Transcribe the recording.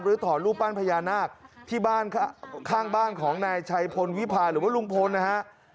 หรือถอนลูกบ้านพญานาคที่ข้างบ้านของนายชัยพลวิภาหรือว่าลุงพลนะครับ